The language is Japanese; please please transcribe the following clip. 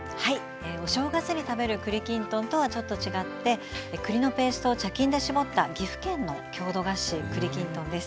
お正月に食べる栗きんとんとはちょっと違って栗のペーストを茶巾で絞った岐阜県の郷土菓子栗きんとんです。